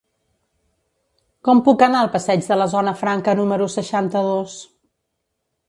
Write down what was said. Com puc anar al passeig de la Zona Franca número seixanta-dos?